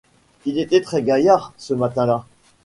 Il était très-gaillard, ce matin-là.